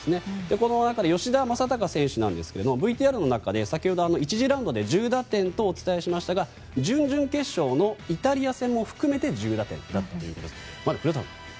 この中で吉田正尚選手なんですが先ほど１次ラウンドで１０打点とお伝えしましたが準々決勝のイタリア戦も含めて１０打点だったということです。